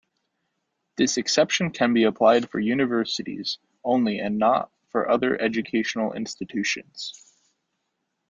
This exception can be applied for universities only and not for other educational institutions.